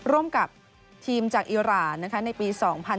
ร่วมกับทีมจากอิราณในปี๒๐๑๖